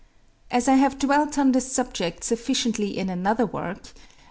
As I have dwelt on this subject sufficiently in another work (33.